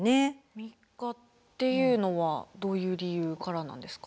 ３日っていうのはどういう理由からなんですか？